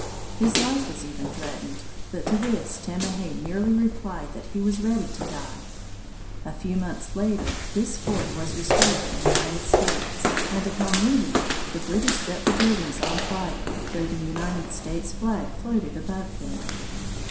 His life was even threatened, but to this Tamahay merely replied that he was ready to die. A few months later, this fort was restored to the United States, and upon leaving it the British set the buildings on fire, though the United States flag floated above them.